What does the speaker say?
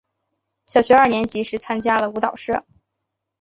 小学二年级时参加了舞蹈社。